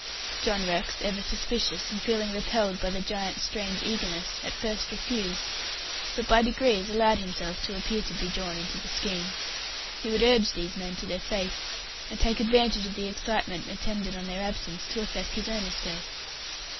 John Rex, ever suspicious, and feeling repelled by the giant's strange eagerness, at first refused, but by degrees allowed himself to appear to be drawn into the scheme. He would urge these men to their fate, and take advantage of the excitement attendant on their absence to effect his own escape.